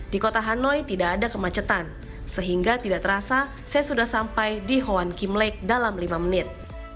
di kota hanoi tidak ada kemacetan sehingga tidak terasa saya sudah sampai di hoan kim lake dalam lima menit